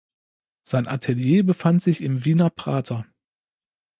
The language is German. Sein Atelier befand sich im Wiener Prater.